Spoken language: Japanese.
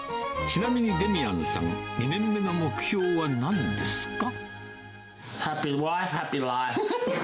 ちなみにデミアンさん、２年目の目標はなんですか。